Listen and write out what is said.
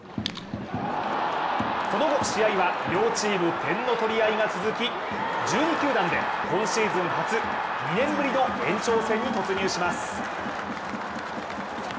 その後、試合は両チーム、点の取り合いが続き１２球団で今シーズン初、２年ぶりの延長戦に突入します。